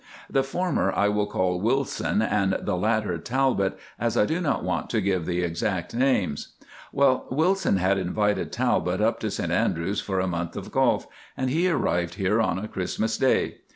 The former I will call Wilson, and the latter Talbot, as I do not want to give the exact names. Well, Wilson had invited Talbot up to St Andrews for a month of golf, and he arrived here on a Christmas day.